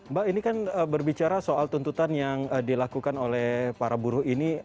mbak ini kan berbicara soal tuntutan yang dilakukan oleh para buruh ini